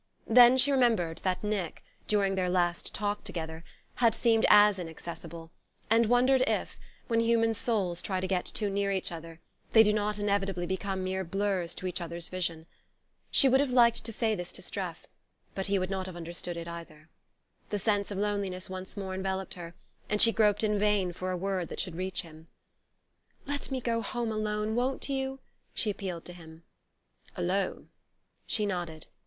Then she remembered that Nick, during their last talk together, had seemed as inaccessible, and wondered if, when human souls try to get too near each other, they do not inevitably become mere blurs to each other's vision. She would have liked to say this to Streff but he would not have understood it either. The sense of loneliness once more enveloped her, and she groped in vain for a word that should reach him. "Let me go home alone, won't you?" she appealed to him. "Alone?" She nodded.